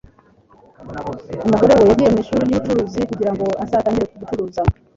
umugore we yagiye mwishuri ryubucuruzi kugirango azatangire gucuruza